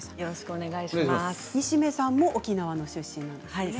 西銘さんも沖縄の出身ですね。